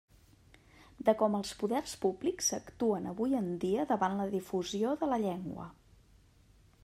De com els “poders públics” actuen avui en dia davant la difusió de la llengua.